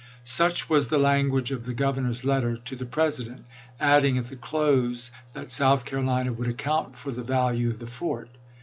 Such was the language of the Governor's letter to the President, adding at the close that South Carolina would account for the value of the fort.